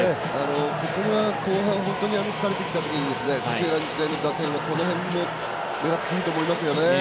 ここは後半疲れてきたときに土浦日大の打線はこの辺を狙っていいと思いますけどね。